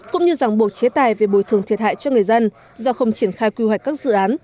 cũng như ràng buộc chế tài về bồi thường thiệt hại cho người dân do không triển khai quy hoạch các dự án